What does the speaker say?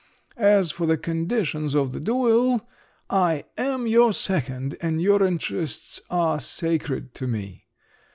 … As for the conditions of the duel, I am your second, and your interests are sacred to me!